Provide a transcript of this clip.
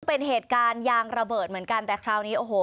เป็นเหตุการณ์ยางระเบิดเหมือนกันแต่คราวนี้โอ้โห